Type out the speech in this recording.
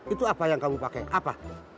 itu apa yang kamu pakai apa